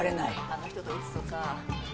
あの人と打つとさ